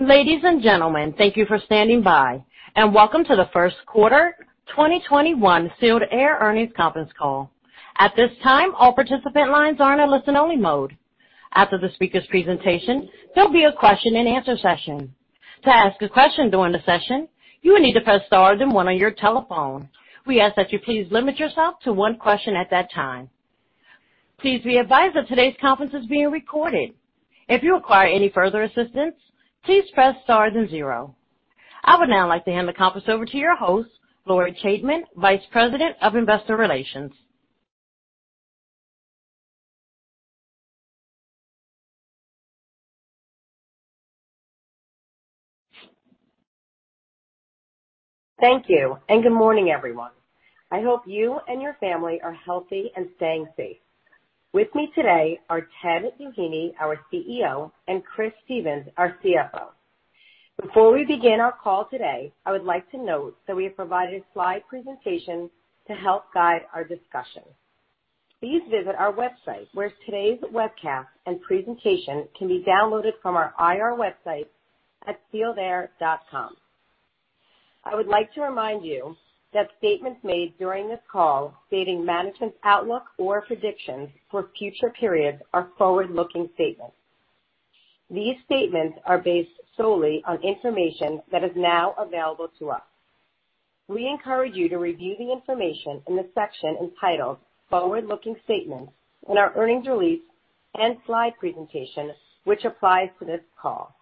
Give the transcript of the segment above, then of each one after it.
Ladies and gentlemen, thank you for standing by and welcome to the first quarter 2021 Sealed Air Earnings Conference Call. At this time, all participant lines are in listen only mode. After the speaker's presentation, there will be a question-and-answer session. To ask a question during the session, you will need to press star then one on your telephone. We ask that you please limit yourself to one question at that time. Please be advised that today's conference is being recorded. If you require any further assistance, please press star then zero. I would now like to hand the conference over to your host, Lori Chaitman, Vice President of Investor Relations. Thank you, good morning, everyone. I hope you and your family are healthy and staying safe. With me today are Ted Doheny, our CEO, and Chris Stephens, our CFO. Before we begin our call today, I would like to note that we have provided a slide presentation to help guide our discussion. Please visit our website, where today's webcast and presentation can be downloaded from our IR website at sealedair.com. I would like to remind you that statements made during this call stating management's outlook or predictions for future periods are forward-looking statements. These statements are based solely on information that is now available to us. We encourage you to review the information in the section entitled Forward-Looking Statements in our earnings release and slide presentation, which applies to this call.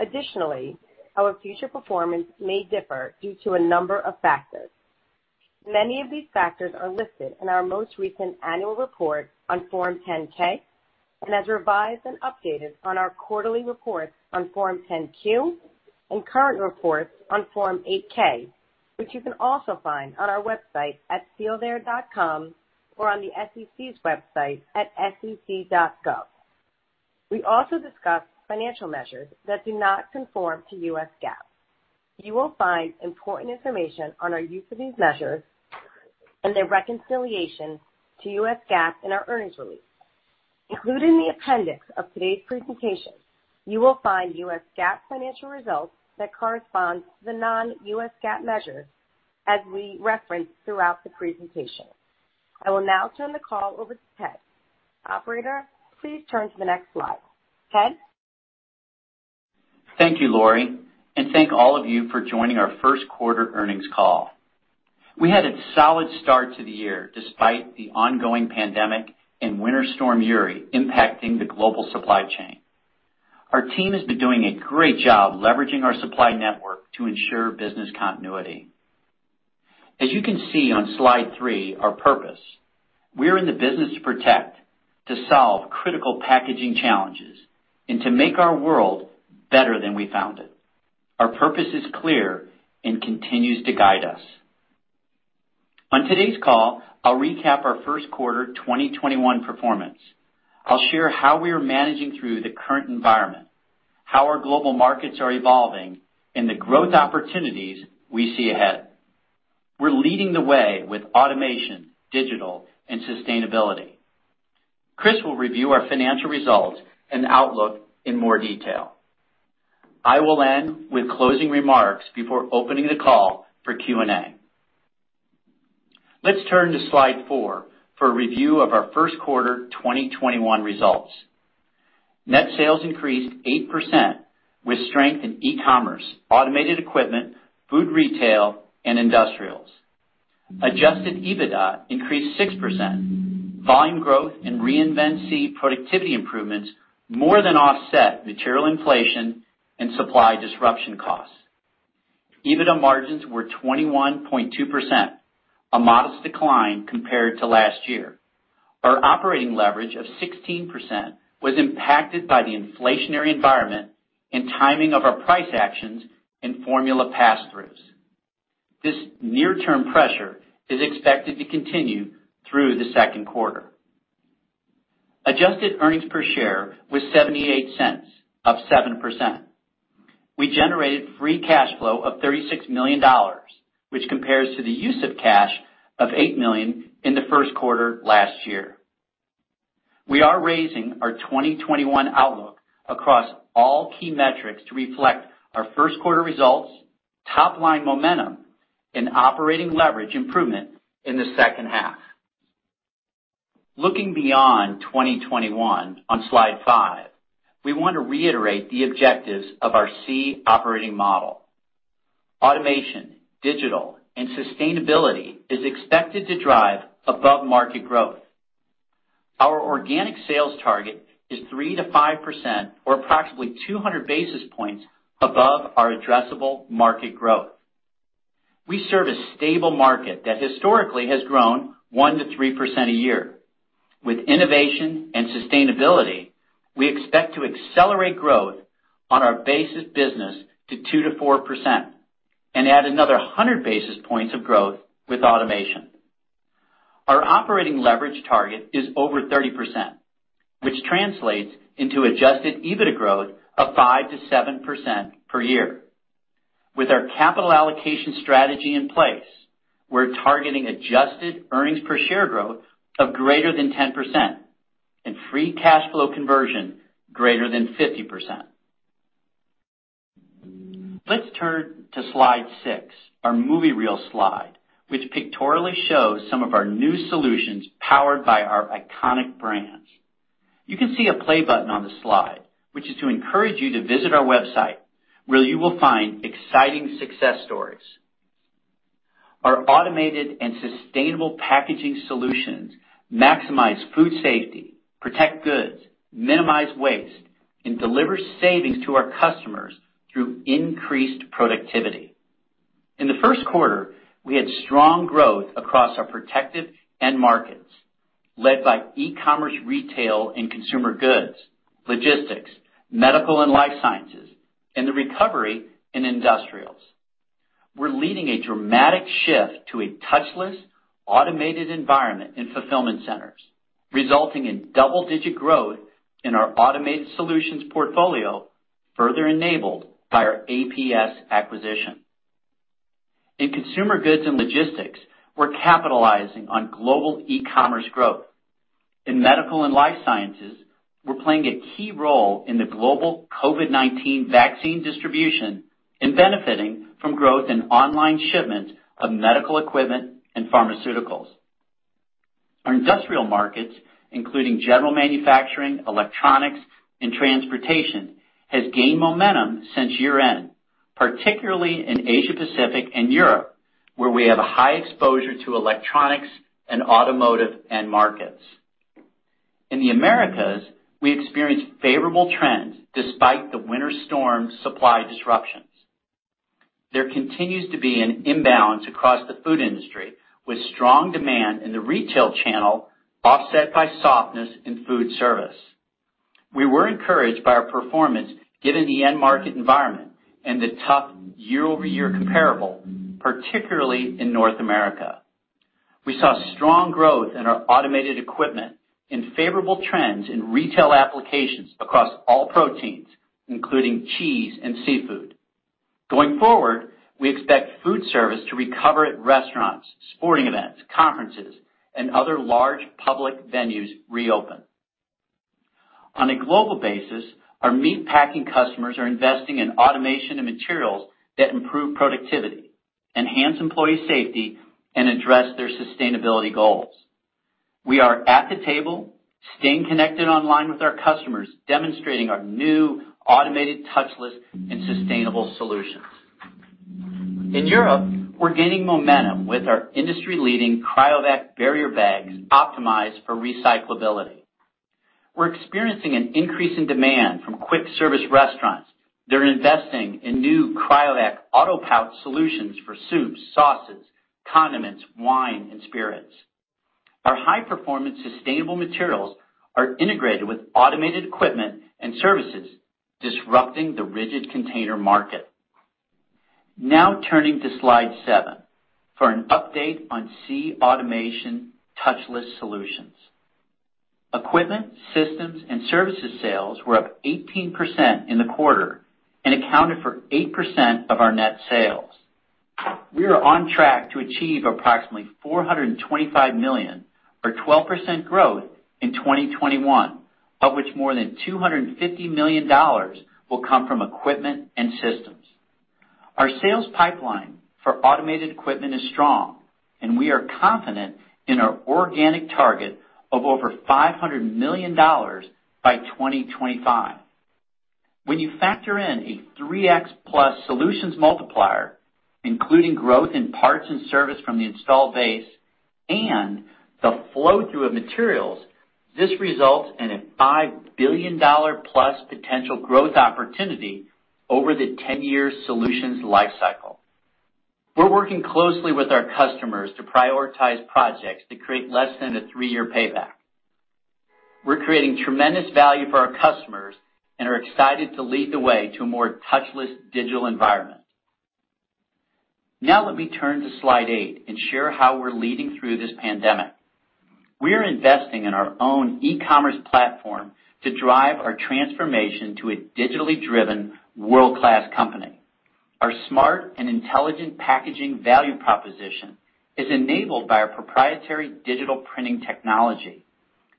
Additionally, our future performance may differ due to a number of factors. Many of these factors are listed in our most recent annual report on Form 10-K, and as revised and updated on our quarterly reports on Form 10-Q, and current reports on Form 8-K, which you can also find on our website at sealedair.com or on the SEC's website at sec.gov. We also discuss financial measures that do not conform to U.S. GAAP. You will find important information on our use of these measures and their reconciliation to U.S. GAAP in our earnings release. Included in the appendix of today's presentation, you will find U.S. GAAP financial results that corresponds to the non-U.S. GAAP measures as we reference throughout the presentation. I will now turn the call over to Ted. Operator, please turn to the next slide. Ted? Thank you, Lori, and thank all of you for joining our first quarter earnings call. We had a solid start to the year despite the ongoing pandemic and Winter Storm Uri impacting the global supply chain. Our team has been doing a great job leveraging our supply network to ensure business continuity. As you can see on slide three, our purpose. We are in the business to protect, to solve critical packaging challenges, and to make our world better than we found it. Our purpose is clear and continues to guide us. On today's call, I'll recap our first quarter 2021 performance. I'll share how we are managing through the current environment, how our global markets are evolving, and the growth opportunities we see ahead. We're leading the way with automation, digital, and sustainability. Chris will review our financial results and outlook in more detail. I will end with closing remarks before opening the call for Q&A. Let's turn to slide four for a review of our first quarter 2021 results. Net sales increased 8% with strength in e-commerce, automated equipment, food, retail, and industrials. Adjusted EBITDA increased 6%. Volume growth and Reinvent SEE productivity improvements more than offset material inflation and supply disruption costs. EBITDA margins were 21.2%, a modest decline compared to last year. Our operating leverage of 16% was impacted by the inflationary environment and timing of our price actions and formula pass-throughs. This near-term pressure is expected to continue through the second quarter. Adjusted earnings per share was $0.78, up 7%. We generated free cash flow of $36 million, which compares to the use of cash of $8 million in the first quarter last year. We are raising our 2021 outlook across all key metrics to reflect our first quarter results, top-line momentum, and operating leverage improvement in the second half. Looking beyond 2021 on slide five, we want to reiterate the objectives of our SEE Operating Model. Automation, digital, and sustainability is expected to drive above-market growth. Our organic sales target is 3%-5%, or approximately 200 basis points above our addressable market growth. We serve a stable market that historically has grown 1%-3% a year. With innovation and sustainability, we expect to accelerate growth on our base business to 2%-4% and add another 100 basis points of growth with automation. Our operating leverage target is over 30%, which translates into adjusted EBITDA growth of 5%-7% per year. With our capital allocation strategy in place, we're targeting adjusted earnings per share growth of greater than 10% and free cash flow conversion greater than 50%. Let's turn to slide six, our movie reel slide, which pictorially shows some of our new solutions powered by our iconic brands. You can see a play button on the slide, which is to encourage you to visit our website, where you will find exciting success stories. Our automated and sustainable packaging solutions maximize food safety, protect goods, minimize waste, and deliver savings to our customers through increased productivity. In the first quarter, we had strong growth across our protective end markets, led by e-commerce, retail, and consumer goods, logistics, medical and life sciences, and the recovery in industrials. We're leading a dramatic shift to a touchless, automated environment in fulfillment centers, resulting in double-digit growth in our automated solutions portfolio, further enabled by our APS acquisition. In consumer goods and logistics, we're capitalizing on global e-commerce growth. In medical and life sciences, we're playing a key role in the global COVID-19 vaccine distribution and benefiting from growth in online shipment of medical equipment and pharmaceuticals. Our industrial markets, including general manufacturing, electronics, and transportation, has gained momentum since year-end, particularly in Asia-Pacific and Europe, where we have a high exposure to electronics and automotive end markets. In the Americas, we experienced favorable trends despite the Winter Storm supply disruptions. There continues to be an imbalance across the food industry, with strong demand in the retail channel offset by softness in food service. We were encouraged by our performance given the end market environment and the tough year-over-year comparable, particularly in North America. We saw strong growth in our automated equipment and favorable trends in retail applications across all proteins, including cheese and seafood. Going forward, we expect food service to recover at restaurants, sporting events, conferences, and other large public venues reopen. On a global basis, our meat packing customers are investing in automation and materials that improve productivity, enhance employee safety, and address their sustainability goals. We are at the table staying connected online with our customers, demonstrating our new automated touchless and sustainable solutions. In Europe, we're gaining momentum with our industry-leading CRYOVAC barrier bags optimized for recyclability. We're experiencing an increase in demand from quick-service restaurants. They're investing in new CRYOVAC AutoPouch solutions for soups, sauces, condiments, wine, and spirits. Our high-performance sustainable materials are integrated with automated equipment and services, disrupting the rigid container market. Now turning to slide seven for an update on SEE Automation touchless solutions. Equipment, systems, and services sales were up 18% in the quarter and accounted for 8% of our net sales. We are on track to achieve approximately $425 million or 12% growth in 2021, of which more than $250 million will come from equipment and systems. Our sales pipeline for automated equipment is strong, and we are confident in our organic target of over $500 million by 2025. When you factor in a 3x+ solutions multiplier, including growth in parts and service from the installed base and the flow-through of materials, this results in a $5 billion+ potential growth opportunity over the 10-year solutions life cycle. We're working closely with our customers to prioritize projects that create less than a three-year payback. We're creating tremendous value for our customers and are excited to lead the way to a more touchless digital environment. Now let me turn to slide eight and share how we're leading through this pandemic. We are investing in our own e-commerce platform to drive our transformation to a digitally driven world-class company. Our smart and intelligent packaging value proposition is enabled by our proprietary digital printing technology.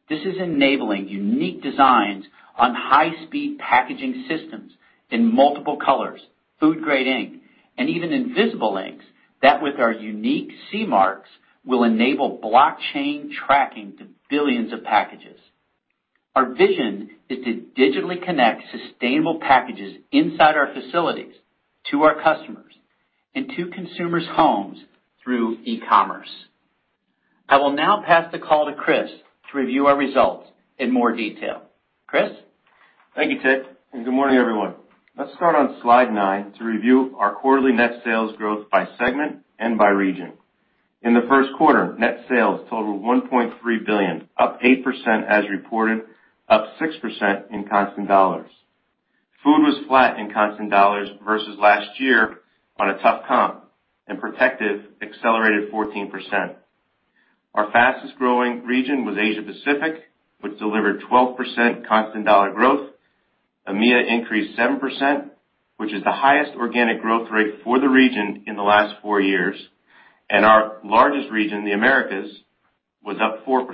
This is enabling unique designs on high-speed packaging systems in multiple colors, food-grade ink, and even invisible inks that, with our unique SEE Mark, will enable blockchain tracking to billions of packages. Our vision is to digitally connect sustainable packages inside our facilities to our customers and to consumers' homes through e-commerce. I will now pass the call to Chris to review our results in more detail. Chris? Thank you, Ted. Good morning, everyone. Let's start on slide nine to review our quarterly net sales growth by segment and by region. In the first quarter, net sales totaled $1.3 billion, up 8% as reported, up 6% in constant dollars. Food was flat in constant dollars versus last year on a tough comp, and Protective accelerated 14%. Our fastest-growing region was Asia Pacific, which delivered 12% constant-dollar growth. EMEA increased 7%, which is the highest organic growth rate for the region in the last four years. Our largest region, the Americas, was up 4%.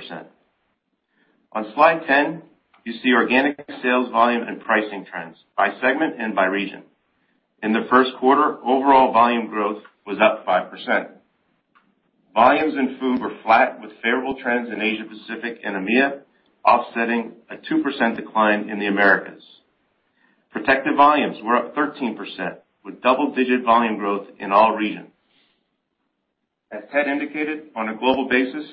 On slide 10, you see organic sales volume and pricing trends by segment and by region. In the first quarter, overall volume growth was up 5%. Volumes in Food were flat with favorable trends in Asia Pacific and EMEA, offsetting a 2% decline in the Americas. Protective volumes were up 13%, with double-digit volume growth in all regions. As Ted indicated, on a global basis,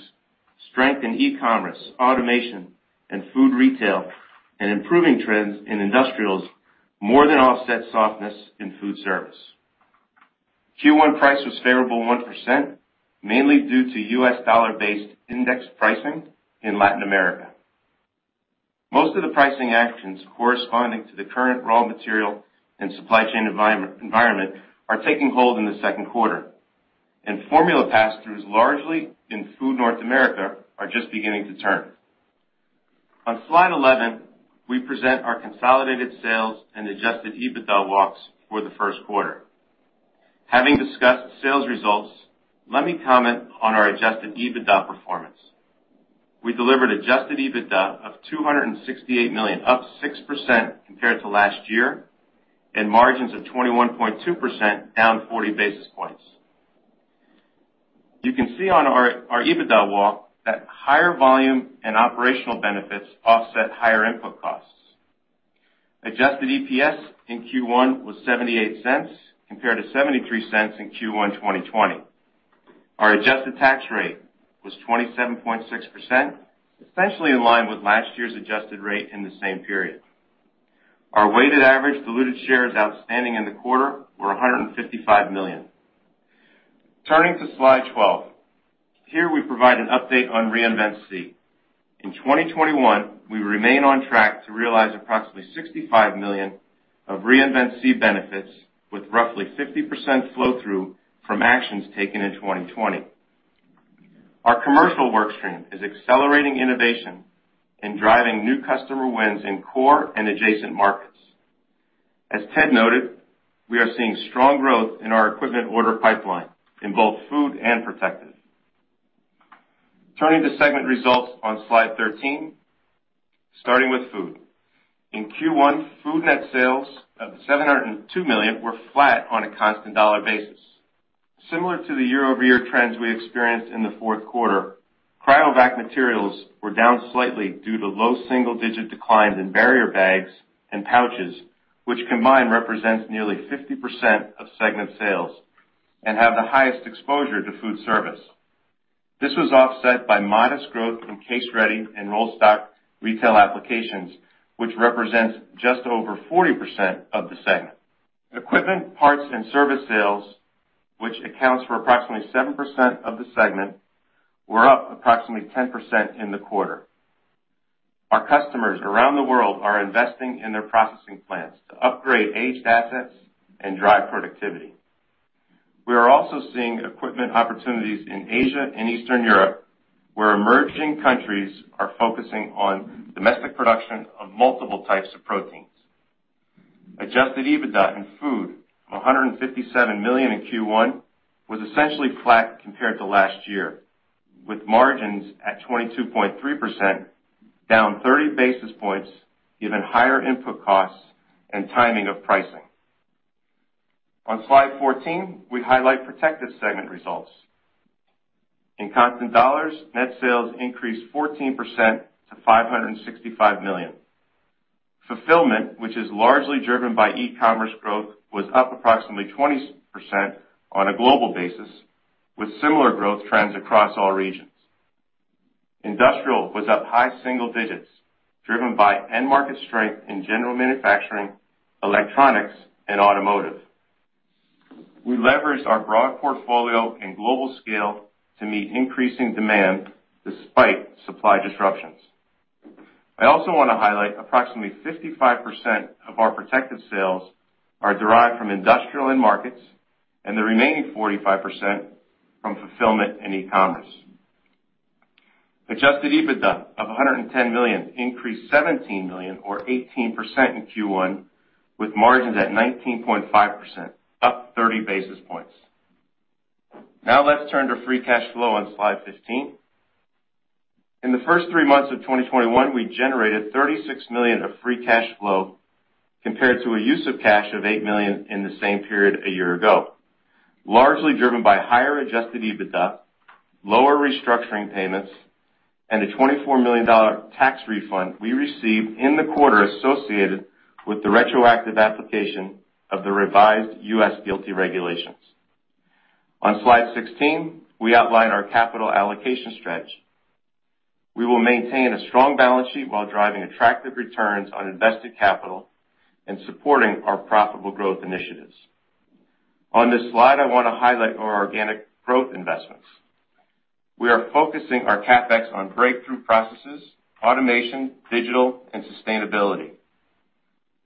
strength in e-commerce, automation, and food retail, and improving trends in industrials more than offset softness in food service. Q1 price was favorable 1%, mainly due to U.S. dollar-based index pricing in Latin America. Most of the pricing actions corresponding to the current raw material and supply chain environment are taking hold in the second quarter. Formula pass-throughs, largely in Food North America, are just beginning to turn. On slide 11, we present our consolidated sales and adjusted EBITDA walks for the first quarter. Having discussed sales results, let me comment on our adjusted EBITDA performance. We delivered adjusted EBITDA of $268 million, up 6% compared to last year, and margins of 21.2% down 40 basis points. You can see on our EBITDA walk that higher volume and operational benefits offset higher input costs. Adjusted EPS in Q1 was $0.78 compared to $0.73 in Q1 2020. Our adjusted tax rate was 27.6%, essentially in line with last year's adjusted rate in the same period. Our weighted average diluted shares outstanding in the quarter were 155 million. Turning to slide 12. Here we provide an update on Reinvent SEE. In 2021, we remain on track to realize approximately 65 million of Reinvent SEE benefits, with roughly 50% flow-through from actions taken in 2020. Our commercial workstream is accelerating innovation and driving new customer wins in core and adjacent markets. As Ted noted, we are seeing strong growth in our equipment order pipeline in both Food and Protective. Turning to segment results on Slide 13. Starting with Food. In Q1, Food net sales of $702 million were flat on a constant-dollar basis. Similar to the year-over-year trends we experienced in the fourth quarter, CRYOVAC materials were down slightly due to low single-digit declines in barrier bags and pouches, which combined represents nearly 50% of segment sales and have the highest exposure to food service. This was offset by modest growth in case-ready and roll stock retail applications, which represents just over 40% of the segment. Equipment, parts, and service sales, which accounts for approximately 7% of the segment, were up approximately 10% in the quarter. Our customers around the world are investing in their processing plants to upgrade aged assets and drive productivity. We are also seeing equipment opportunities in Asia and Eastern Europe, where emerging countries are focusing on domestic production of multiple types of proteins. Adjusted EBITDA in Food of $157 million in Q1, was essentially flat compared to last year, with margins at 22.3% down 30 basis points given higher input costs and timing of pricing. On Slide 14, we highlight Protective segment results. In constant dollars, net sales increased 14% to $565 million. Fulfillment, which is largely driven by e-commerce growth, was up approximately 20% on a global basis, with similar growth trends across all regions. Industrial was up high single digits, driven by end-market strength in general manufacturing, electronics, and automotive. We leveraged our broad portfolio and global scale to meet increasing demand despite supply disruptions. I also want to highlight approximately 55% of our Protective sales are derived from industrial end markets and the remaining 45% from fulfillment and e-commerce. Adjusted EBITDA of $110 million increased $17 million or 18% in Q1, with margins at 19.5%, up 30 basis points. Let's turn to free cash flow on Slide 15. In the first three months of 2021, we generated $36 million of free cash flow compared to a use of cash of $8 million in the same period a year ago, largely driven by higher adjusted EBITDA, lower restructuring payments, and a $24 million tax refund we received in the quarter associated with the retroactive application of the revised U.S. GILTI regulations. On Slide 16, we outline our capital allocation strategy. We will maintain a strong balance sheet while driving attractive returns on invested capital and supporting our profitable growth initiatives. On this slide, I want to highlight our organic growth investments. We are focusing our CapEx on breakthrough processes, automation, digital, and sustainability.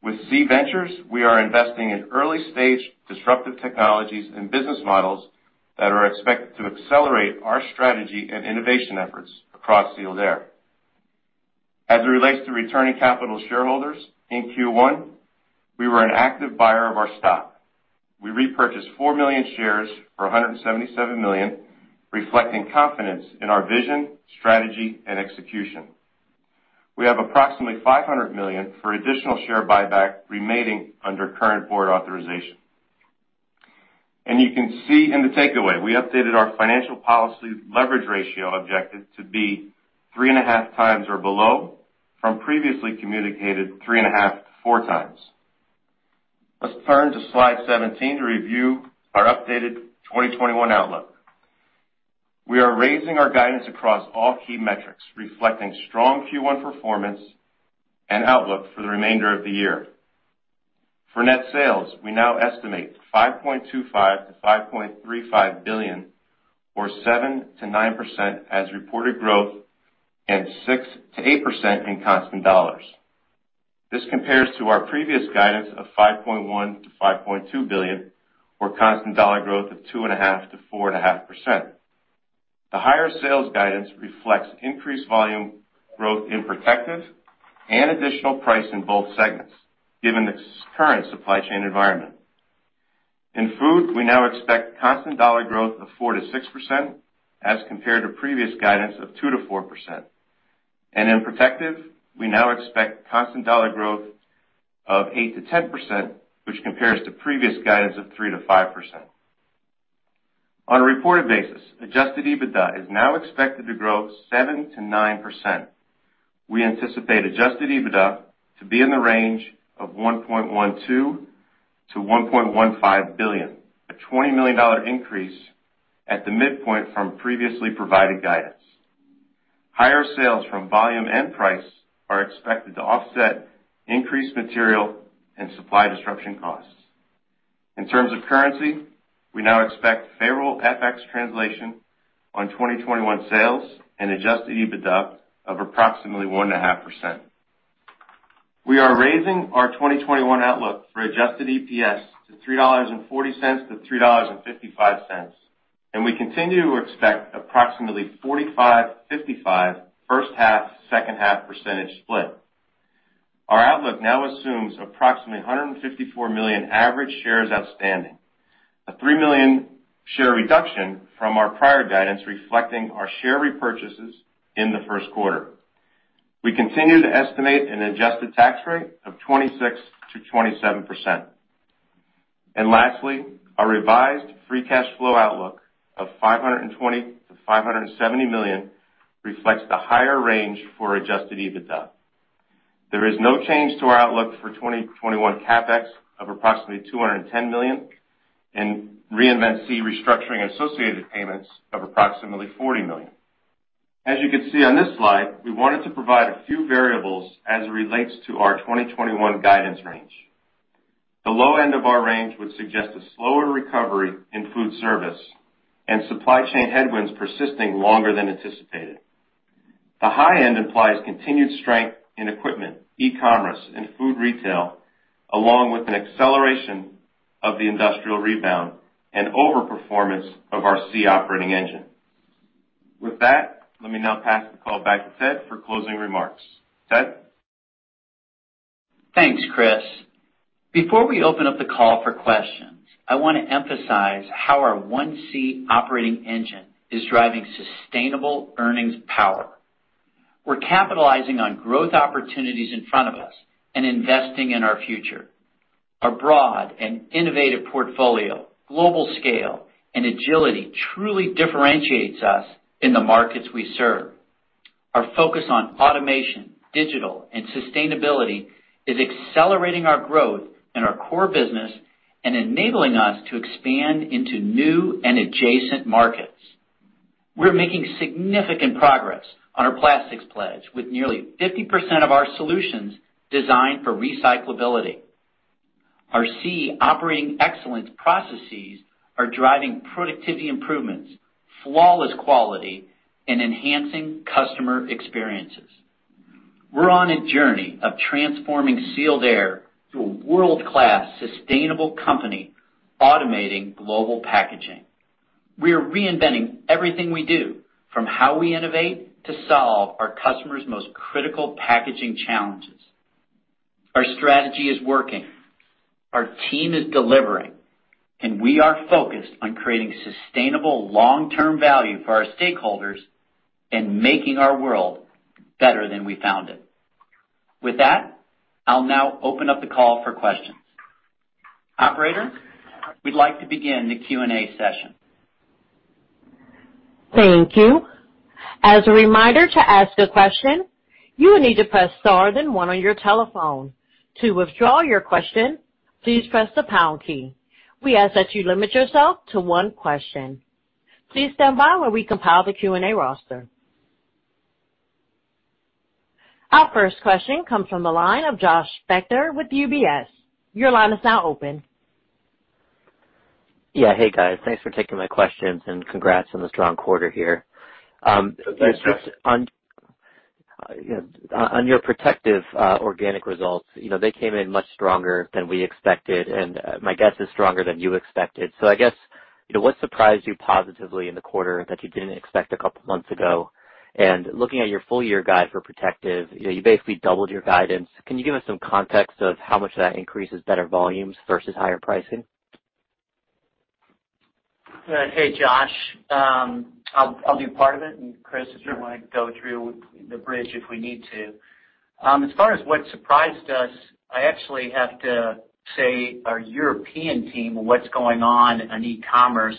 With SEE Ventures, we are investing in early-stage disruptive technologies and business models that are expected to accelerate our strategy and innovation efforts across Sealed Air. As it relates to returning capital to shareholders, in Q1, we were an active buyer of our stock. We repurchased 4 million shares for $177 million, reflecting confidence in our vision, strategy, and execution. We have approximately $500 million for additional share buybacks remaining under current board authorization. You can see in the takeaway, we updated our financial policy leverage ratio objective to be 3.5x or below from previously communicated 3.5x-4x. Let's turn to slide 17 to review our updated 2021 outlook. We are raising our guidance across all key metrics, reflecting strong Q1 performance and outlook for the remainder of the year. For net sales, we now estimate $5.25 billion-$5.35 billion, or 7%-9% as reported growth and 6%-8% in constant dollars. This compares to our previous guidance of $5.1 billion-$5.2 billion, or constant-dollar growth of 2.5%-4.5%. The higher sales guidance reflects increased volume growth in Protective and additional price in both segments given the current supply chain environment. In Food, we now expect constant-dollar growth of 4%-6% as compared to previous guidance of 2%-4%. In Protective, we now expect constant-dollar growth of 8%-10%, which compares to previous guidance of 3%-5%. On a reported basis, adjusted EBITDA is now expected to grow 7%-9%. We anticipate adjusted EBITDA to be in the range of $1.12 billion-$1.15 billion, a $20 million increase at the midpoint from previously provided guidance. Higher sales from volume and price are expected to offset increased material and supply disruption costs. In terms of currency, we now expect favorable FX translation on 2021 sales and adjusted EBITDA of approximately 1.5%. We are raising our 2021 outlook for adjusted EPS to $3.40-$3.55. We continue to expect approximately 45/55 first half/second half percent split. Our outlook now assumes approximately 154 million average shares outstanding, a 3 million share reduction from our prior guidance reflecting our share repurchases in the first quarter. We continue to estimate an adjusted tax rate of 26%-27%. Lastly, our revised free cash flow outlook of $520 million-$570 million reflects the higher range for adjusted EBITDA. There is no change to our outlook for 2021 CapEx of approximately $210 million and Reinvent SEE restructuring associated payments of approximately $40 million. As you can see on this slide, we wanted to provide a few variables as it relates to our 2021 guidance range. The low end of our range would suggest a slower recovery in food service and supply chain headwinds persisting longer than anticipated. The high end implies continued strength in equipment, e-commerce, and food retail, along with an acceleration of the industrial rebound and overperformance of our SEE Operating Engine. With that, let me now pass the call back to Ted for closing remarks. Ted? Thanks, Chris. Before we open up the call for questions, I want to emphasize how our One SEE Operating Engine is driving sustainable earnings power. We're capitalizing on growth opportunities in front of us and investing in our future. Our broad and innovative portfolio, global scale, and agility truly differentiates us in the markets we serve. Our focus on automation, digital, and sustainability is accelerating our growth in our core business and enabling us to expand into new and adjacent markets. We're making significant progress on our plastics pledge, with nearly 50% of our solutions designed for recyclability. Our SEE operating excellence processes are driving productivity improvements, flawless quality, and enhancing customer experiences. We're on a journey of transforming Sealed Air to a world-class sustainable company automating global packaging. We are reinventing everything we do, from how we innovate to solve our customers' most critical packaging challenges. Our strategy is working, our team is delivering, and we are focused on creating sustainable long-term value for our stakeholders and making our world better than we found it. With that, I'll now open up the call for questions. Operator, we'd like to begin the Q&A session. Thank you. As a reminder, to ask a question, you need to press star then one on your telephone. To withdraw your question, please press the pound key. We ask that you limit yourself to one question. Please stand by while we compile the Q&A roster. Our first question comes from the line of Josh Spector with UBS. Your line is now open. Yeah. Hey, guys. Thanks for taking my questions, and congrats on the strong quarter here. Thanks, Josh. On your Protective organic results, they came in much stronger than we expected, and my guess is stronger than you expected. I guess, what surprised you positively in the quarter that you didn't expect a couple of months ago? Looking at your full-year guide for Protective, you basically doubled your guidance. Can you give us some context of how much of that increase is better volumes versus higher pricing? Hey, Josh. I'll do part of it, and Chris, if you want to go through the bridge, if we need to. As far as what surprised us, I actually have to say our European team and what's going on in e-commerce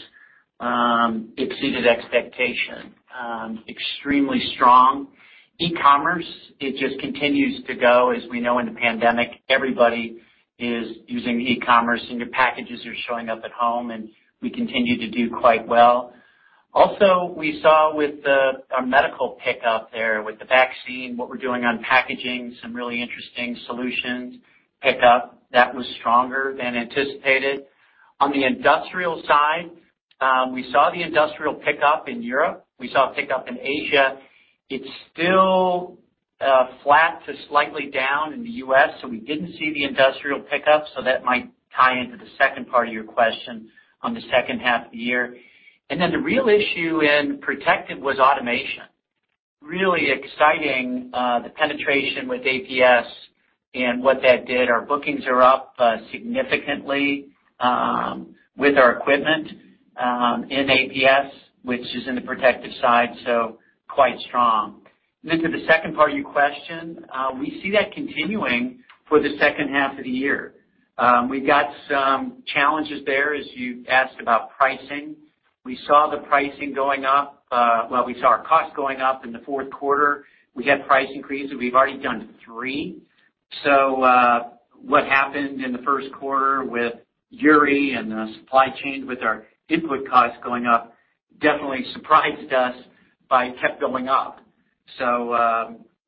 exceeded expectation. Extremely strong. E-commerce, it just continues to go. As we know, in the pandemic, everybody is using e-commerce, and your packages are showing up at home, and we continue to do quite well. Also, we saw with our medical pickup there with the vaccine, what we're doing on packaging, some really interesting solutions pickup. That was stronger than anticipated. On the industrial side, we saw the industrial pickup in Europe. We saw a pickup in Asia. It's still flat to slightly down in the U.S., we didn't see the industrial pickup, that might tie into the second part of your question on the second half of the year. The real issue in Protective was automation. Really exciting, the penetration with APS and what that did. Our bookings are up significantly with our equipment in APS, which is in the Protective side, quite strong. To the second part of your question, we see that continuing for the second half of the year. We've got some challenges there, as you asked about pricing. We saw the pricing going up. Well, we saw our costs going up in the fourth quarter. We had price increases. We've already done three. What happened in the first quarter with Uri and the supply chain with our input costs going up definitely surprised us. It kept going up.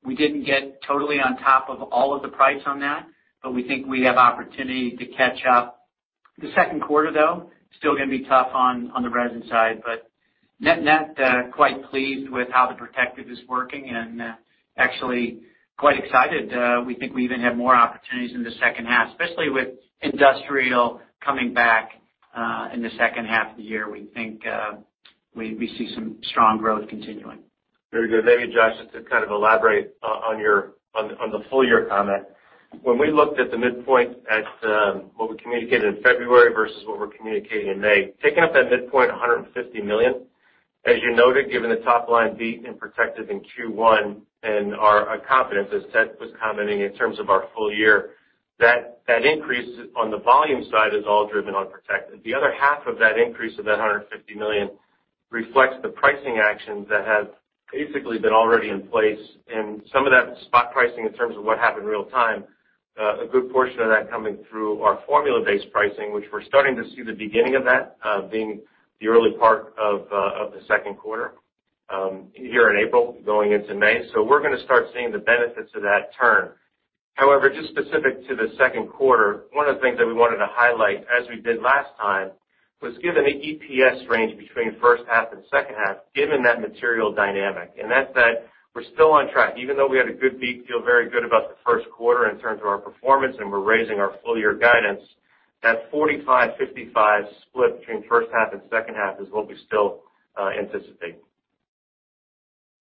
We didn't get totally on top of all of the price on that. We think we have opportunity to catch up. The second quarter, though, still going to be tough on the resin side. Net, quite pleased with how the Protective is working and actually quite excited. We think we even have more opportunities in the second half, especially with industrial coming back in the second half of the year. We think we see some strong growth continuing. Very good. Maybe, Josh, just to kind of elaborate on the full-year comment. We looked at the midpoint at what we communicated in February versus what we're communicating in May, taking up that midpoint $150 million, as you noted, given the top-line beat in Protective in Q1 and our confidence, as Ted was commenting in terms of our full year, that increase on the volume side is all driven on Protective. The other half of that increase of that $150 million reflects the pricing actions that have basically been already in place and some of that spot pricing in terms of what happened real-time, a good portion of that coming through our formula-based pricing, which we're starting to see the beginning of that being the early part of the second quarter here in April going into May. We're going to start seeing the benefits of that turn. Just specific to the second quarter, one of the things that we wanted to highlight, as we did last time, was given the EPS range between first half and second half, given that material dynamic, and that said, we're still on track. Even though we had a good beat, feel very good about the first quarter in terms of our performance, and we're raising our full-year guidance, that 45/55 split between first half and second half is what we still anticipate.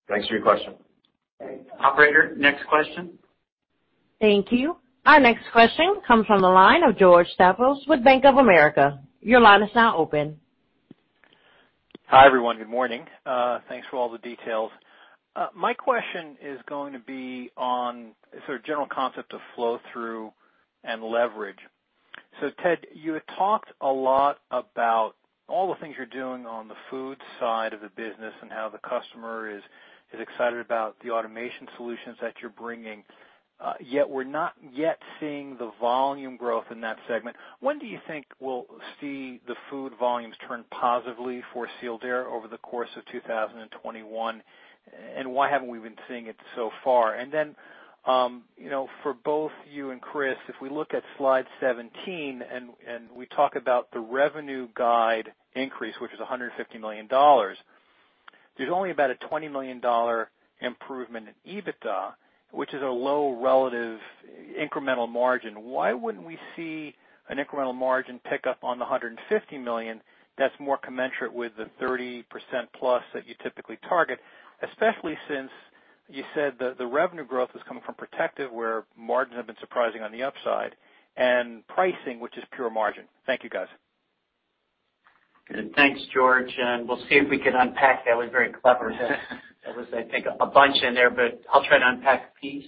Thanks for your question. Operator, next question. Thank you. Our next question comes from the line of George Staphos with Bank of America. Your line is now open. Hi, everyone. Good morning. Thanks for all the details. My question is going to be on sort of general concept of flow-through and leverage. Ted, you had talked a lot about all the things you're doing on the Food side of the business and how the customer is excited about the automation solutions that you're bringing, yet we're not yet seeing the volume growth in that segment. When do you think we'll see the Food volumes turn positively for Sealed Air over the course of 2021? Why haven't we been seeing it so far? For both you and Chris, if we look at slide 17 and we talk about the revenue guide increase, which is $150 million, there's only about a $20 million improvement in EBITDA, which is a low relative incremental margin. Why wouldn't we see an incremental margin pick up on the $150 million that's more commensurate with the 30%+ that you typically target, especially since you said the revenue growth is coming from Protective, where margins have been surprising on the upside, and pricing, which is pure margin? Thank you, guys. Good. Thanks, George. We'll see if we can unpack that. That was very clever. There was, I think, a bunch in there. I'll try to unpack a piece,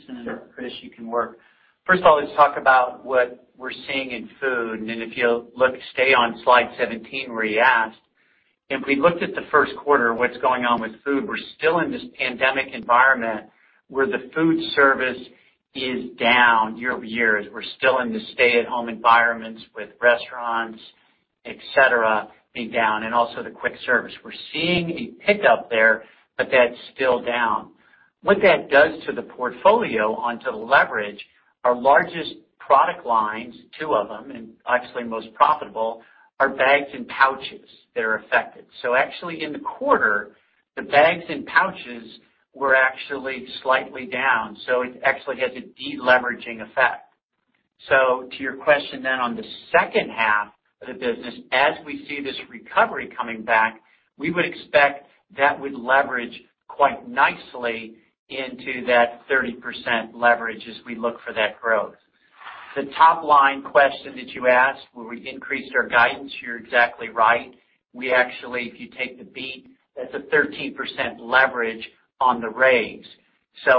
Chris, you can work. First of all, let's talk about what we're seeing in Food. If you'll stay on slide 17 where you asked. If we looked at the first quarter, what's going on with Food, we're still in this pandemic environment where the food service is down year-over-year, as we're still in the stay-at-home environments with restaurants, et cetera, being down, also the quick service. We're seeing a pickup there, that's still down. What that does to the portfolio onto leverage, our largest product lines, two of them, obviously most profitable, are bags and pouches that are affected. Actually in the quarter, the bags and pouches were actually slightly down. It actually has a de-leveraging effect. To your question on the second half of the business, as we see this recovery coming back, we would expect that would leverage quite nicely into that 30% leverage as we look for that growth. The top line question that you asked, will we increase our guidance? You're exactly right. We actually, if you take the beat, that's a 30% leverage on the raise.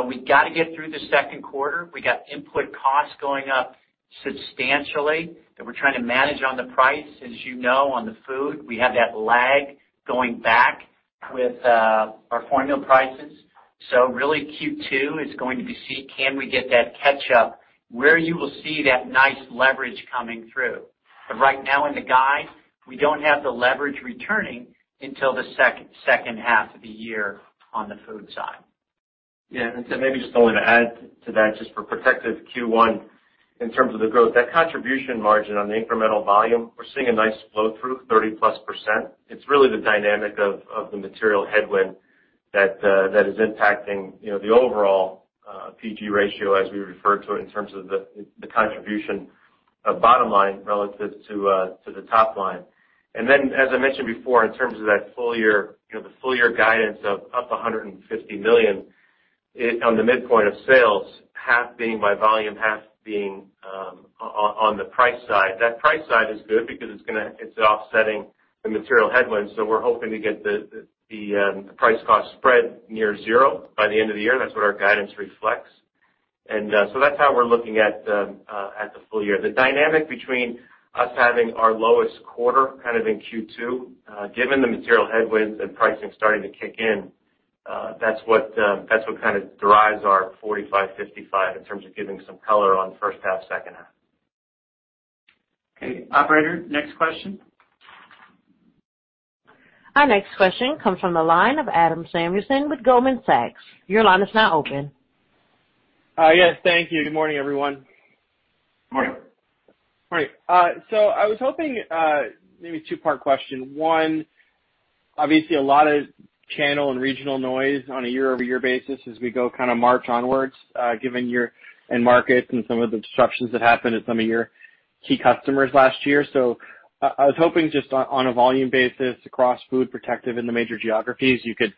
We got to get through the second quarter. We got input costs going up substantially that we're trying to manage on the price. As you know, on the Food, we have that lag going back with our formula prices. Really Q2 is going to be, can we get that catch-up where you will see that nice leverage coming through? Right now in the guide, we don't have the leverage returning until the second half of the year on the Food side. Maybe just only to add to that, just for Protective Q1, in terms of the growth, that contribution margin on the incremental volume, we're seeing a nice flow through 30%+. It's really the dynamic of the material headwind that is impacting the overall leverage ratio as we refer to it in terms of the contribution of bottom line relative to the top line. As I mentioned before, in terms of the full year guidance of up $150 million on the midpoint of sales, half being by volume, half being on the price side. That price side is good because it's offsetting the material headwinds. We're hoping to get the price cost spread near zero by the end of the year. That's what our guidance reflects. That's how we're looking at the full year. The dynamic between us having our lowest quarter in Q2 given the material headwinds and pricing starting to kick in, that's what derives our 45/55 in terms of giving some color on first half, second half. Okay. Operator, next question. Our next question comes from the line of Adam Samuelson with Goldman Sachs. Your line is now open. Yes, thank you. Good morning, everyone. Morning. Right. I was hoping, maybe two-part question. One, obviously a lot of channel and regional noise on a year-over-year basis as we go kind of March onwards given your end markets and some of the disruptions that happened at some of your key customers last year. I was hoping just on a volume basis across Food Protective in the major geographies, you could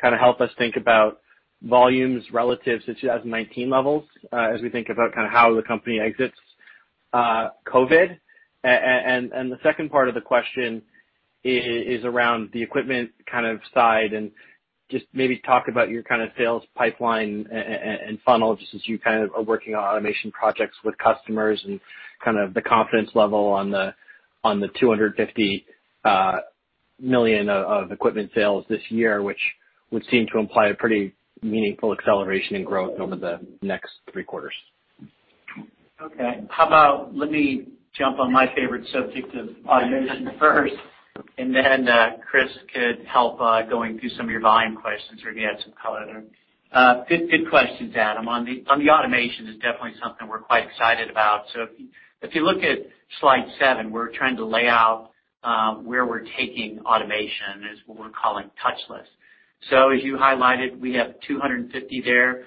help us think about volumes relative to 2019 levels as we think about how the company exits COVID. The second part of the question is around the equipment side and just maybe talk about your kind of sales pipeline and funnel just as you are working on automation projects with customers and the confidence level on the $250 million of equipment sales this year, which would seem to imply a pretty meaningful acceleration in growth over the next three quarters. Okay. Let me jump on my favorite subject of automation first, then Chris could help going through some of your volume questions or he had some color there. Good questions, Adam. On the automation is definitely something we're quite excited about. If you look on slide seven, we're trying to lay out where we're taking automation is what we're calling touchless. As you highlighted, we have 250 there.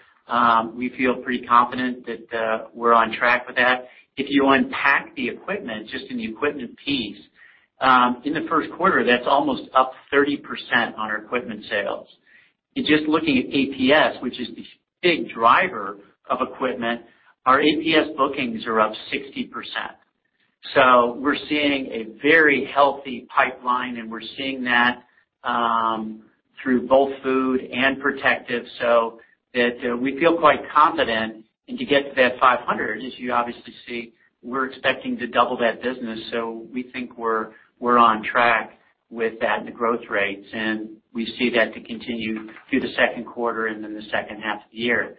We feel pretty confident that we're on track with that. If you unpack the equipment, just in the equipment piece, in the first quarter, that's almost up 30% on our equipment sales. Just looking at APS, which is the big driver of equipment, our APS bookings are up 60%. We're seeing a very healthy pipeline, and we're seeing that through both Food and Protective, so that we feel quite confident. To get to that $500, as you obviously see, we're expecting to double that business. We think we're on track with that and the growth rates. We see that to continue through the second quarter and then the second half of the year.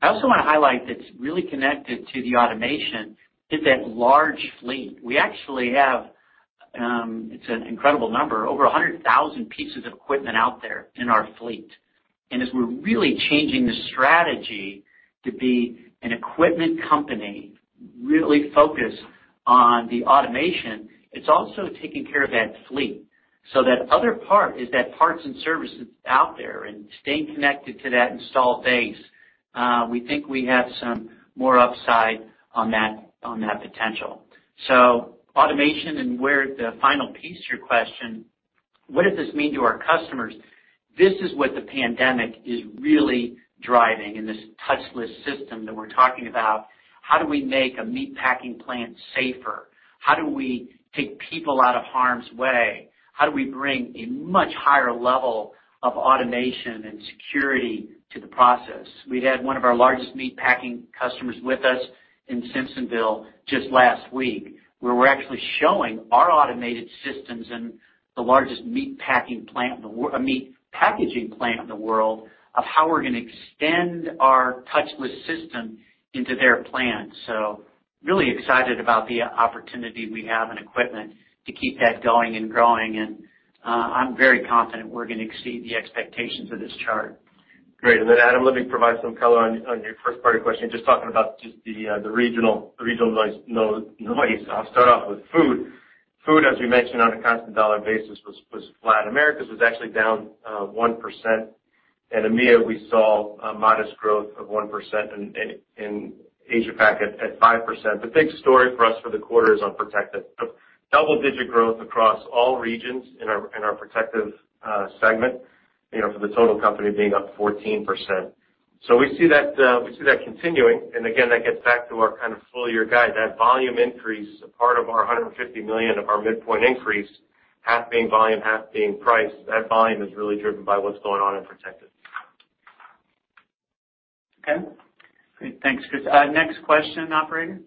I also want to highlight that's really connected to the automation is that large fleet. We actually have, it's an incredible number, over 100,000 pieces of equipment out there in our fleet. As we're really changing the strategy to be an equipment company really focused on the automation, it's also taking care of that fleet. That other part is that parts and services out there and staying connected to that installed base. We think we have some more upside on that potential. Automation and where the final piece of your question, what does this mean to our customers? This is what the pandemic is really driving in this touchless system that we're talking about. How do we make a meat packing plant safer? How do we take people out of harm's way? How do we bring a much higher level of automation and security to the process? We had one of our largest meat packing customers with us in Simpsonville just last week, where we're actually showing our automated systems and the largest meat packaging plant in the world of how we're going to extend our touchless system into their plant. Really excited about the opportunity we have in equipment to keep that going and growing. I'm very confident we're going to exceed the expectations of this chart. Great. Then Adam, let me provide some color on your first part of your question, just talking about just the regional noise. I'll start off with Food. Food, as we mentioned on a constant-dollar basis, was flat. Americas was actually down 1%, and EMEA, we saw a modest growth of 1%, and Asia Pac at 5%. The big story for us for the quarter is on Protective. Double-digit growth across all regions in our Protective segment, for the total company being up 14%. We see that continuing. Again, that gets back to our kind of full year guide. That volume increase is a part of our $150 million of our midpoint increase, half being volume, half being price. That volume is really driven by what's going on in Protective. Okay. Great. Thanks, Chris. Next question, operator.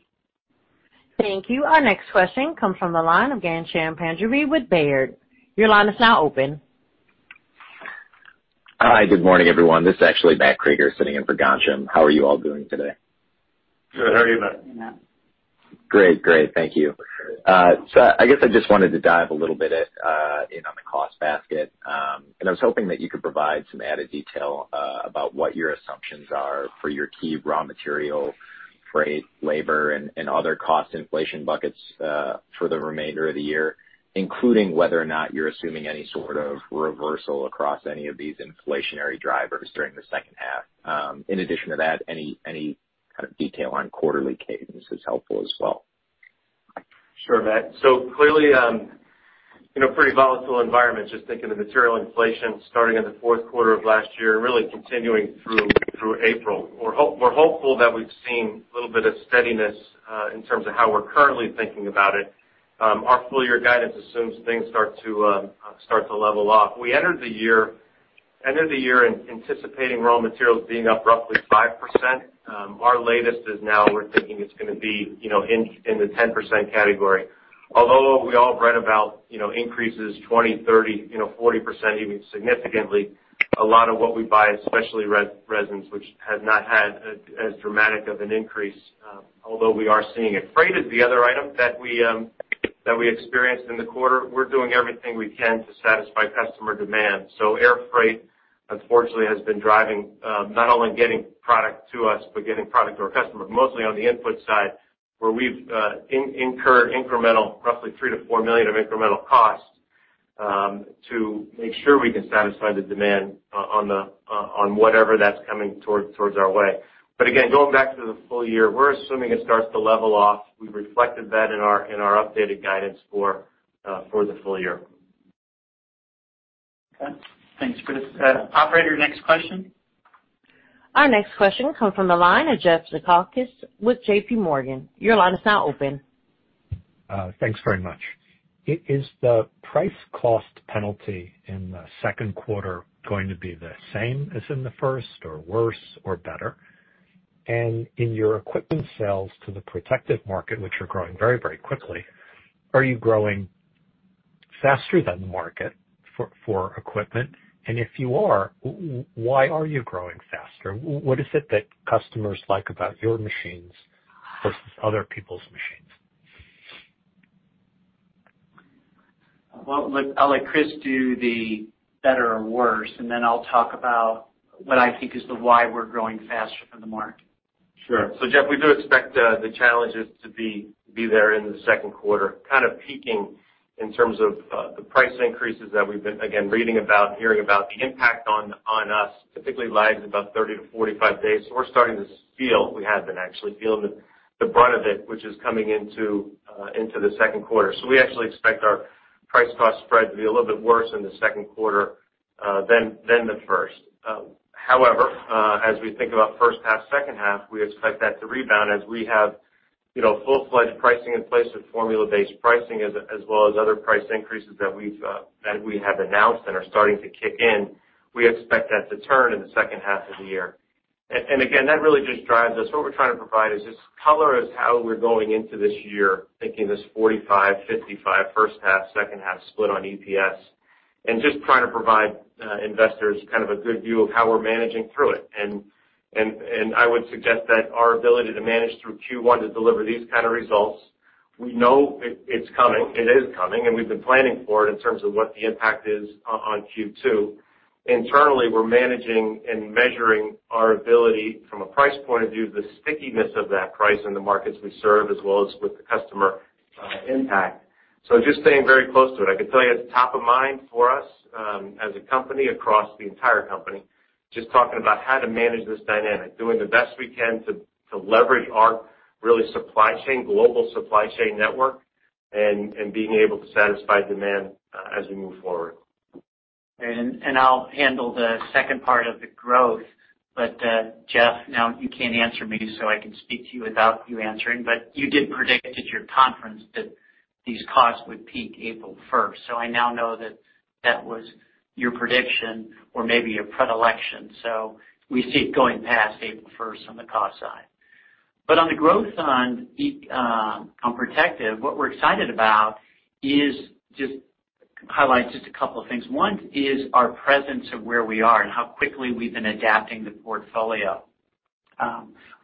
Thank you. Our next question comes from the line of Ghansham Panjabi with Baird. Your line is now open. Hi. Good morning, everyone. This is actually Matt Krueger sitting in for Ghansham. How are you all doing today? Good. How are you, Matt? Hey, Matt. Great. Thank you. I guess I just wanted to dive a little bit in on the cost basket. I was hoping that you could provide some added detail about what your assumptions are for your key raw material, freight, labor, and other cost inflation buckets for the remainder of the year, including whether or not you're assuming any sort of reversal across any of these inflationary drivers during the second half. In addition to that, any kind of detail on quarterly cadence is helpful as well. Sure, Matt. Clearly, pretty volatile environment, just thinking the material inflation starting in the fourth quarter of last year, really continuing through April. We're hopeful that we've seen a little bit of steadiness in terms of how we're currently thinking about it. Our full year guidance assumes things start to level off. We entered the year anticipating raw materials being up roughly 5%. Our latest is now we're thinking it's going to be in the 10% category. Although we all have read about increases 20%, 30%, 40% even significantly, a lot of what we buy, especially resins, which has not had as dramatic of an increase, although we are seeing it. Freight is the other item that we experienced in the quarter. We're doing everything we can to satisfy customer demand. Air freight, unfortunately, has been driving not only getting product to us, but getting product to our customers, mostly on the input side, where we've incurred incremental roughly $3 million-$4 million of incremental cost to make sure we can satisfy the demand on whatever that's coming towards our way. Again, going back to the full year, we're assuming it starts to level off. We've reflected that in our updated guidance for the full year. Okay. Thanks, Chris. Operator, next question. Our next question comes from the line of Jeff Zekauskas with JPMorgan. Your line is now open. Thanks very much. Is the price cost penalty in the second quarter going to be the same as in the first, or worse, or better? In your equipment sales to the Protective market, which are growing very quickly, are you growing faster than the market for equipment? If you are, why are you growing faster? What is it that customers like about your machines versus other people's machines? Well, I'll let Chris do the better or worse, and then I'll talk about what I think is the why we're growing faster than the market. Sure. Jeff, we do expect the challenges to be there in the second quarter, kind of peaking in terms of the price increases that we've been, again, reading about, hearing about. The impact on us typically lags about 30-45 days. We're starting to feel, we have been actually feeling the brunt of it, which is coming into the second quarter. We actually expect our price cost spread to be a little bit worse in the second quarter than the first. However, as we think about first half, second half, we expect that to rebound as we have full-fledged pricing in place with formula-based pricing, as well as other price increases that we have announced and are starting to kick in. We expect that to turn in the second half of the year. Again, that really just drives us. What we're trying to provide is just color as how we're going into this year, thinking this 45/55 first half, second half split on EPS, just trying to provide investors kind of a good view of how we're managing through it. I would suggest that our ability to manage through Q1 and deliver this kind of results, we know it's coming. It is coming, we've been planning for it in terms of what the impact is on Q2. Internally, we're managing and measuring our ability from a price point of view, the stickiness of that price in the markets we serve, as well as with the customer impact. Just staying very close to it. I can tell you it's top of mind for us as a company across the entire company, just talking about how to manage this dynamic, doing the best we can to leverage our really supply chain, global supply chain network, and being able to satisfy demand as we move forward. I'll handle the second part of the growth, Jeff, now you can't answer me, so I can speak to you without you answering. You did predict at your conference that these costs would peak April 1st. I now know that that was your prediction or maybe your predilection. We see it going past April 1st on the cost side. On the growth on Protective, what we're excited about is just highlight a couple of things. One is our presence of where we are and how quickly we've been adapting the portfolio.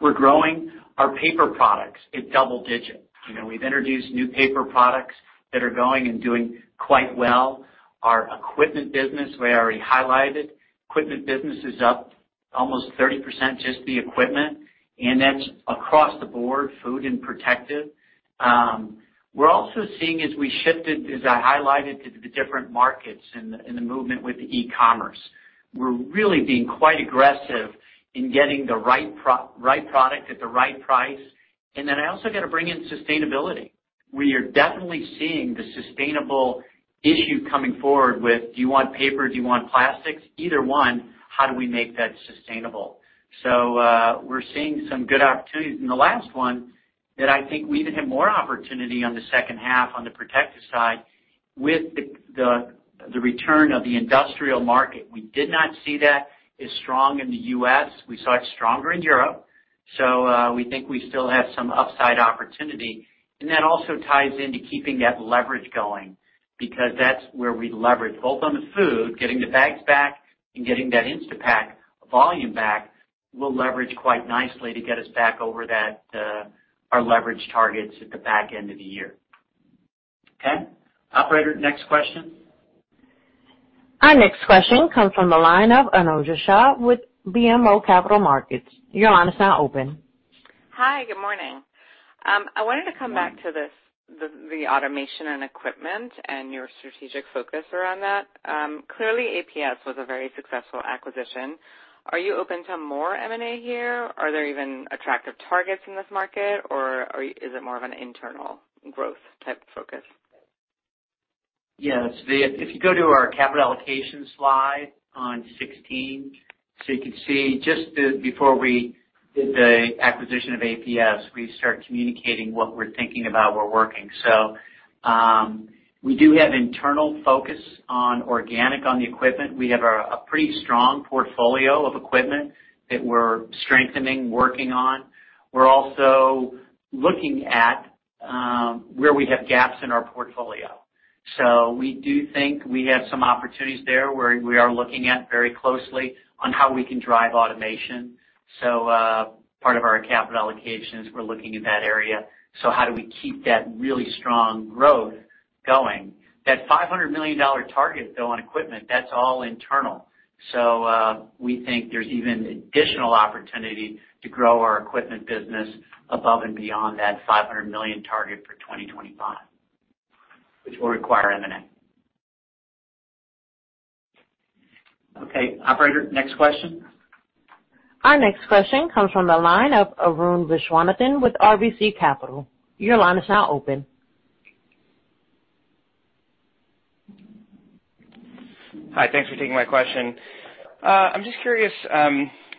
We're growing our paper products in double digits. We've introduced new paper products that are going and doing quite well. Our equipment business, we already highlighted. Equipment business is up almost 30%, just the equipment, and that's across the board, Food and Protective. We're also seeing as we shifted, as I highlighted, to the different markets in the movement with the e-commerce. We're really being quite aggressive in getting the right product at the right price. Then I also got to bring in sustainability. We are definitely seeing the sustainable issue coming forward with, do you want paper? Do you want plastics? Either one, how do we make that sustainable? We're seeing some good opportunities. The last one that I think I even have more opportunity on the second half on the Protective side with the return of the industrial market. We did not see that as strong in the U.S. We saw it stronger in Europe. We think we still have some upside opportunity, and that also ties into keeping that leverage going because that's where we leverage both on the Food, getting the bags back and getting that Instapak volume back will leverage quite nicely to get us back over our leverage targets at the back end of the year. Okay. Operator, next question. Our next question comes from the line of Anojja Shah with BMO Capital Markets. Your line is now open. Hi, good morning. I wanted to come back to the automation and equipment and your strategic focus around that. Clearly, APS was a very successful acquisition. Are you open to more M&A here? Are there even attractive targets in this market, or is it more of an internal growth type focus? Yes. If you go to our capital allocation slide on 16, you can see just before we did the acquisition of APS, we start communicating what we're thinking about, we're working. We do have internal focus on organic on the equipment. We have a pretty strong portfolio of equipment that we're strengthening, working on. We're also looking at where we have gaps in our portfolio. We do think we have some opportunities there where we are looking at very closely on how we can drive automation. Part of our capital allocation is we're looking in that area. How do we keep that really strong growth going? That $500 million target, though, on equipment, that's all internal. We think there's even additional opportunity to grow our equipment business above and beyond that $500 million target for 2025, which will require M&A. Okay, operator, next question. Our next question comes from the line of Arun Viswanathan with RBC Capital. Your line is now open. Hi, thanks for taking my question. I'm just curious, as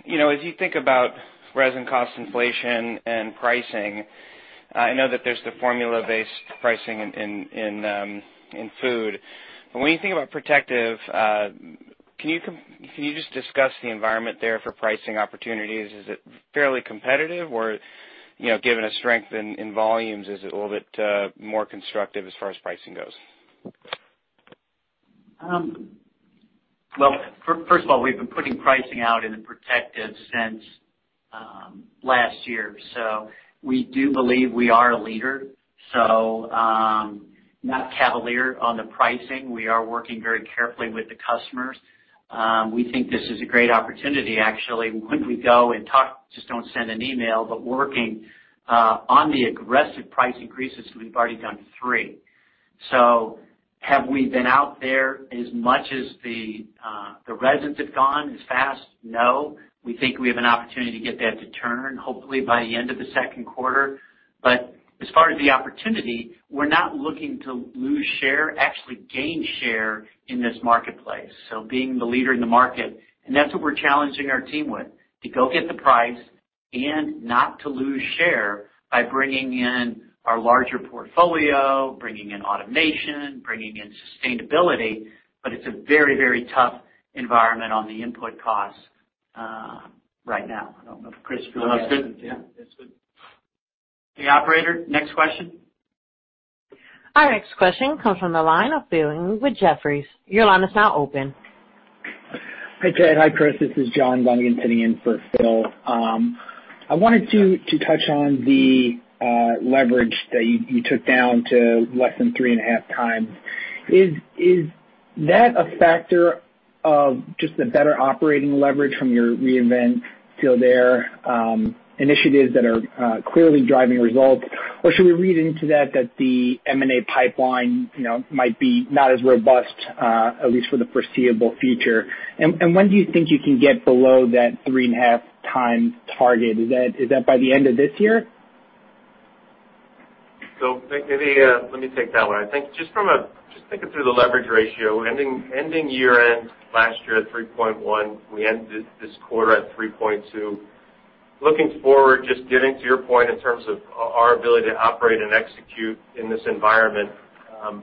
you think about resin cost inflation and pricing, I know that there's the formula-based pricing in Food. When you think about Protective, can you just discuss the environment there for pricing opportunities? Is it fairly competitive or, given a strength in volumes, is it a little bit more constructive as far as pricing goes? Well, first of all, we've been putting pricing out in the Protective since last year. We do believe we are a leader. Not cavalier on the pricing. We are working very carefully with the customers. We think this is a great opportunity, actually, when we go and talk, just don't send an email, but working on the aggressive price increases, we've already done three. Have we been out there as much as the resins have gone as fast? No. We think we have an opportunity to get that to turn, hopefully by the end of the second quarter. As far as the opportunity, we're not looking to lose share, actually gain share in this marketplace. Being the leader in the market, and that's what we're challenging our team with, to go get the price and not to lose share by bringing in our larger portfolio, bringing in automation, bringing in sustainability. It's a very tough environment on the input costs right now. I don't know if Chris. No, that's good. Yeah, that's good. Okay, operator, next question. Our next question comes from the line of Phil with Jefferies. Your line is now open. Hi, Ted. Hi, Chris. This is John Dunigan sitting in for Phil. I wanted to touch on the leverage that you took down to less than 3.5x. Is that a factor of just the better operating leverage from your Reinvent Sealed Air initiatives that are clearly driving results? Should we read into that the M&A pipeline might be not as robust, at least for the foreseeable future? When do you think you can get below that 3.5x target? Is that by the end of this year? Let me take that one. I think just thinking through the leverage ratio, ending year-end last year at 3.1x, we ended this quarter at 3.2x. Looking forward, just getting to your point in terms of our ability to operate and execute in this environment,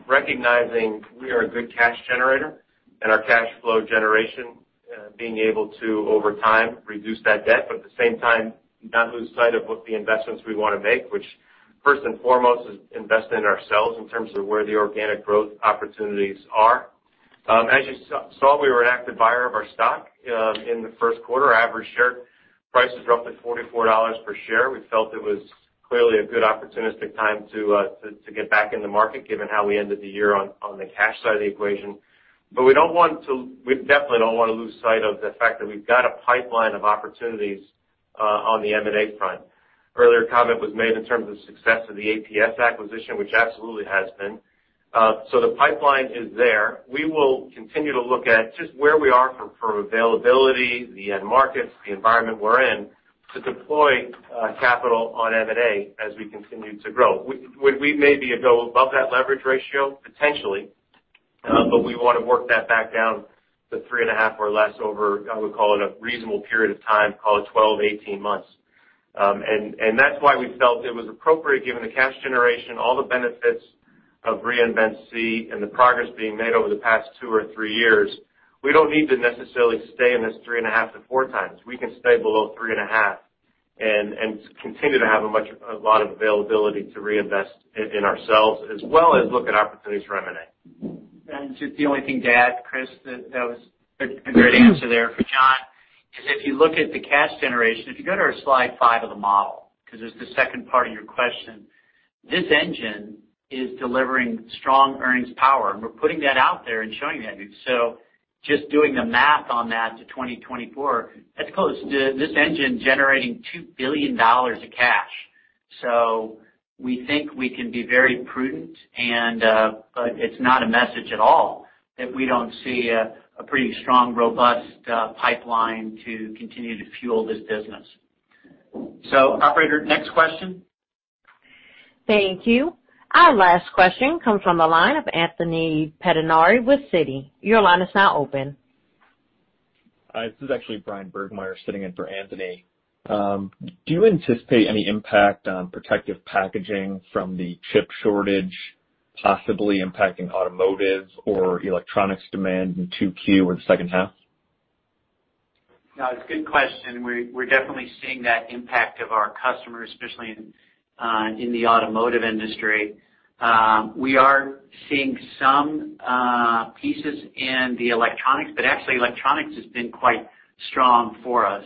recognizing we are a good cash generator and our cash flow generation being able to, over time, reduce that debt. At the same time, not lose sight of what the investments we want to make, which first and foremost, is invest in ourselves in terms of where the organic growth opportunities are. As you saw, we were an active buyer of our stock in the first quarter. Our average share price was roughly $44 per share. We felt it was clearly a good opportunistic time to get back in the market, given how we ended the year on the cash side of the equation. We definitely don't want to lose sight of the fact that we've got a pipeline of opportunities on the M&A front. Earlier comment was made in terms of success of the APS acquisition, which absolutely has been. The pipeline is there. We will continue to look at just where we are for availability, the end markets, the environment we're in, to deploy capital on M&A as we continue to grow. Would we maybe go above that leverage ratio? Potentially. We want to work that back down to 3.5x or less over, I would call it, a reasonable period of time, call it 12-18 months. That's why we felt it was appropriate given the cash generation, all the benefits of Reinvent SEE and the progress being made over the past two or three years. We don't need to necessarily stay in this 3.5x-4x. We can stay below 3.5x and continue to have a lot of availability to reinvest in ourselves as well as look at opportunities for M&A. Just the only thing to add, Chris, that was a great answer there for John, is if you look at the cash generation, if you go to our slide five of the model, because there's the second part of your question. This engine is delivering strong earnings power, and we're putting that out there and showing that. Just doing the math on that to 2024, that's close to this engine generating $2 billion of cash. We think we can be very prudent, but it's not a message at all that we don't see a pretty strong, robust pipeline to continue to fuel this business. Operator, next question. Thank you. Our last question comes from the line of Anthony Pettinari with Citi. Your line is now open. Hi, this is actually Bryan Burgmeier sitting in for Anthony. Do you anticipate any impact on Protective packaging from the chip shortage possibly impacting automotive or electronics demand in 2Q or the second half? No, it's a good question. We're definitely seeing that impact of our customers, especially in the automotive industry. We are seeing some pieces in the electronics, but actually electronics has been quite strong for us.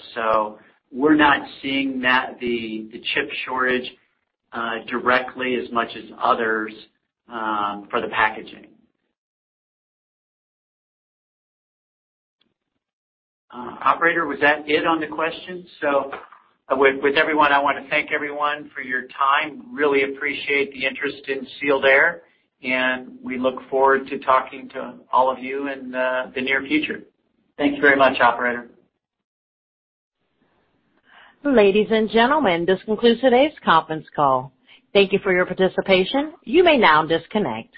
We're not seeing the chip shortage directly as much as others for the packaging. Operator, was that it on the questions? With everyone, I want to thank everyone for your time. Really appreciate the interest in Sealed Air, and we look forward to talking to all of you in the near future. Thanks very much, operator. Ladies and gentlemen, this concludes today's conference call. Thank you for your participation. You may now disconnect.